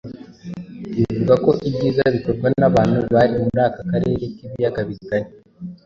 ivuga ko ibyiza bikorwa n'abantu bari muri aka karere k'ibiyaga bigari